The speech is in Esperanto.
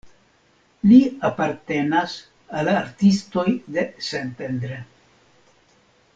Li apartenas al artistoj de Szentendre.